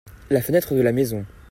La fenêtre de la maison.